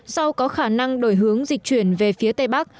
sau có khả năng đổi hướng dịch chuyển về phía tây bắc